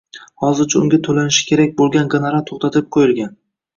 Hozircha unga toʻlanishi kerak boʻlgan gonorar toʻxtatib qoʻyilgan.